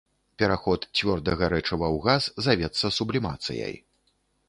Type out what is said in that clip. Пераход цвёрдага рэчыва ў газ завецца сублімацыяй.